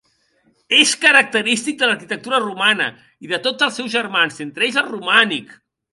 És característic de l'arquitectura romana i de tots els seus germans, entre ells el romànic.